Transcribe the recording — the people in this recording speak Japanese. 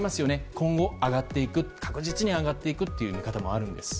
今後上がっていく確実に上がっていくという見方もあります。